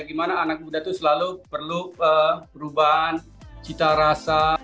gimana anak muda itu selalu perlu perubahan cita rasa